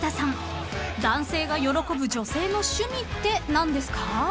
［男性が喜ぶ女性の趣味って何ですか？］